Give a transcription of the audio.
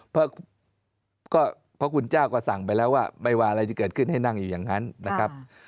เพราะพระคุณเจ้าก็สั่งไปแล้วว่าไม่ว่าอะไรจะเกิดขึ้นให้นั่งอยู่อย่างนั้นนะครับ